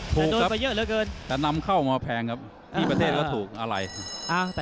แต่โดนไปเยอะเหลือเกินแต่นำเข้ามาแพงครับที่ประเทศแล้วถูกอะไร